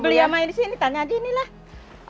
beli sama ini tanya aja ini lah